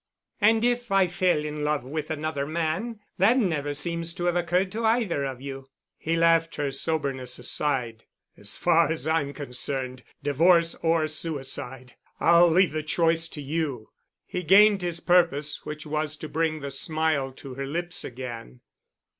"And if I fell in love with another man— That never seems to have occurred to either of you——" He laughed her soberness aside. "As far as I'm concerned, divorce or suicide. I'll leave the choice to you." He gained his purpose, which was to bring the smile to her lips again.